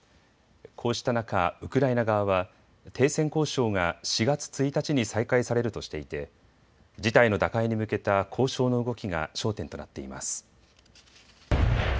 こうした中、ウクライナ側は停戦交渉が４月１日に再開されるとしていて事態の打開に向けた交渉の動きが焦点となっています。